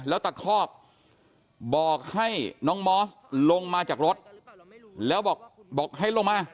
แล้วตะคอกบอกให้น้องมอสลงมาจากรถแล้วบอกบอกให้ลงมา